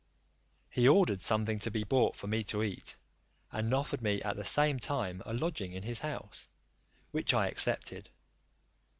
He ordered something to be brought for me to eat, and offered me at the same time a lodging in his house, which I accepted.